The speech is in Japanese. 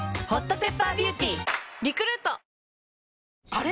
あれ？